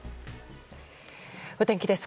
お天気です。